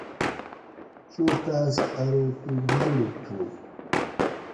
چو تاۤس کہ ارو تو بوزوروگ تھو